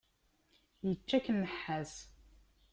Yečča-k nnḥas.